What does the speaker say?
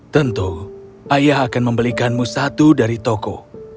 tentu ayah akan membelikanmu satu dari toko